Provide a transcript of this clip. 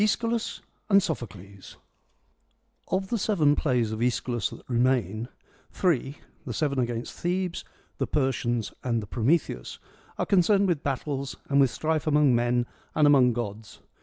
— ^ESCHYLUS AND SOPHOCLES Of the seven plays of ^Eschylus that remain, three — the Seven against Thebes, the Persians, and the Prometheus — are concerned with battles, and with strife among men and among gods.